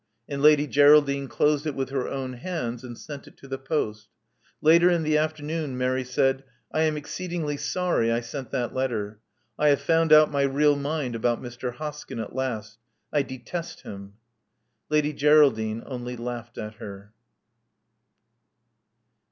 And Lady Geraldine closed it with her own hands and sent it to the post Later in the afternoon Mary said, I am exceedingly sorry I sent that letter. I have found out my real mind about Mr. Hoskyn at last. I detest him." Lady Greraldine only laughed at her.